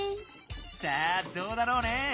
さあどうだろうね。